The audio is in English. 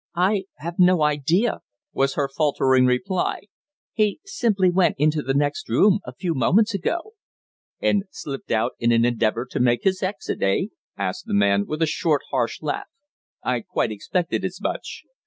"I have no idea," was her faltering reply. "He simply went into the next room a few moments ago." "And slipped out in an endeavour to make his exit, eh?" asked the man, with a short, harsh laugh. "I quite expected as much.